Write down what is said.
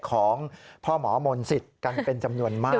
ของพ่อหมอมนต์สิทธิ์กันเป็นจำนวนมาก